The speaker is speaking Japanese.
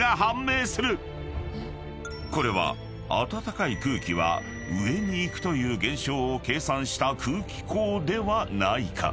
［これは暖かい空気は上に行くという現象を計算した空気口ではないか？］